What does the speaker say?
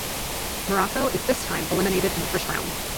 Morocco is this time eliminated in the first round.